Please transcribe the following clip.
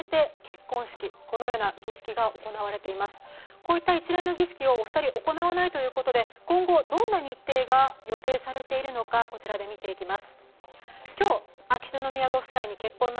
こういった一連の儀式をお二人は行わないということで、今後、どんな日程が予定されているのか、こちらで見ていきます。